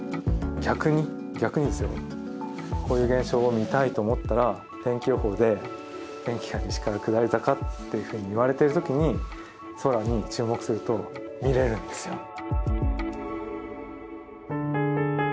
逆に逆にですよこういう現象を見たいと思ったら天気予報で「天気が西から下り坂」っていうふうに言われてる時に空に注目すると見れるんですよ。